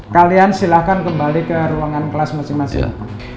kalian silahkan kembali ke ruangan kelas masing masing